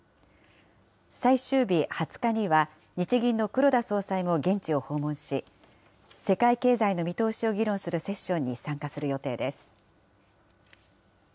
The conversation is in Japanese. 最終日２０日には日銀の黒田総裁も現地を訪問し、世界経済の見通しを議論するセッションに参加する予定です。